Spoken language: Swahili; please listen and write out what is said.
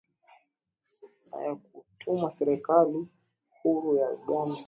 na ya kitumwa Serikali huru ya Uganda